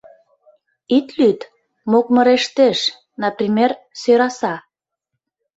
Ит лӱд: мокмырештеш, например, сӧраса.